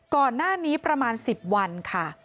ก่อนหน้านี้ประมาณ๑๐วันค่ะ